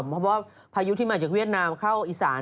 เพราะว่าพายุที่มาจากเวียดนามเข้าอีสาน